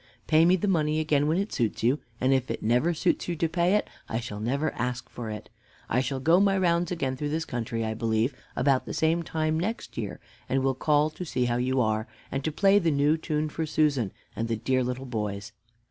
Pay me the money again when it suits you, and if it never suits you to pay it, I shall never ask for it. I shall go my rounds again through this country, I believe, about the same time next year, and will call to see how you are, and to play the new tune for Susan and the dear little boys.